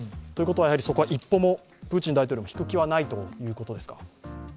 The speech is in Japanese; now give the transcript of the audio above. ということは、そこは一歩もプーチン大統領も引く気はないということですか？